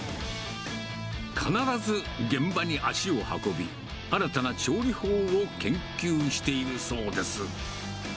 必ず現場に足を運び、新たな調理法を研究しているそうです。